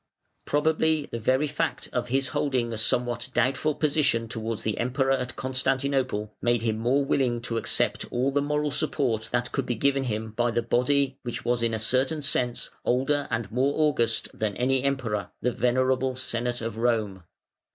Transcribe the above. Probably the very fact of his holding a somewhat doubtful position towards the Emperor at Constantinople made him more willing to accept all the moral support that could be given him by the body which was in a certain sense older and more august than any Emperor, the venerable Senate of Rome.